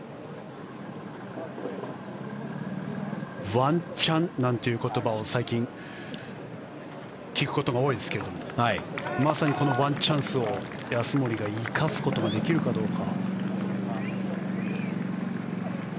ワンチャンという言葉を最近聞くことが多いですけれどまさにこのワンチャンスを安森が生かすことができるかどうか。